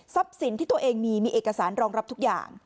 สินที่ตัวเองมีมีเอกสารรองรับทุกอย่าง